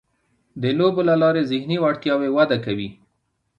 د لوبو له لارې ذهني وړتیاوې وده کوي.